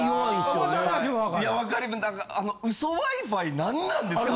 あの嘘Ｗｉ−Ｆｉ何なんですか！？